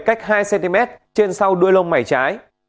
cách hai cm trên sau đuôi lông mải trái